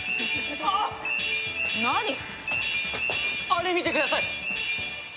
あれ見てください！